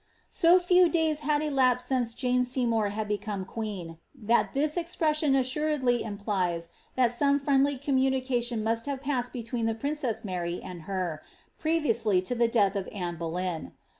So few days had elapsed since Jane Seymour had beronin queen, thai this expression assuredly implies that some friendly cora mtinicBtion must have passed between ilie princess Mary and her, pre iriousty to the death of Anne Boleyn.